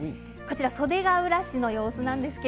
袖ヶ浦市の様子です。